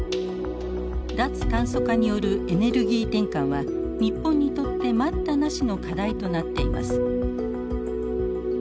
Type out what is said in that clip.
脱炭素化によるエネルギー転換は日本にとって待ったなしの課題となっています。